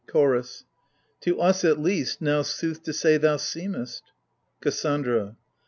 CHOROS. To us, at least, now sooth to say thou seemest. KASSANDRA.